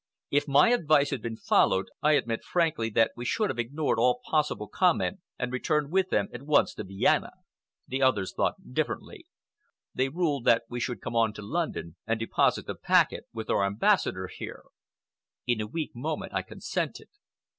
If my advice had been followed, I admit frankly that we should have ignored all possible comment and returned with them at once to Vienna. The others thought differently. They ruled that we should come on to London and deposit the packet with our Ambassador here. In a weak moment I consented.